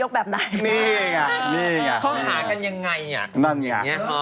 กล้านนะ